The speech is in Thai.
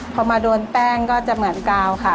พอมาโดนแป้งก็จะเหมือนกาวค่ะ